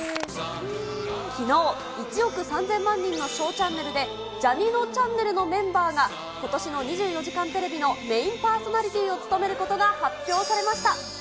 きのう、１億３０００万人のＳＨＯＷチャンネルで、ジャにのちゃんねるのメンバーが、ことしの２４時間テレビのメインパーソナリティーを務めることが発表されました。